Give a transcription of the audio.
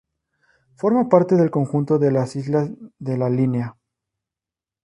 Forma parte del conjunto de las Islas de la Línea.